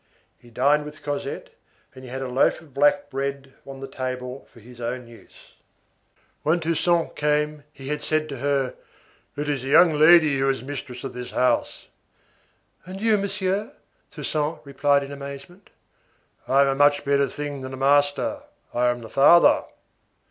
He dined with Cosette, and he had a loaf of black bread on the table for his own use. When Toussaint came, he had said to her: "It is the young lady who is the mistress of this house."—"And you, monsieur?" Toussaint replied in amazement.—"I am a much better thing than the master, I am the father."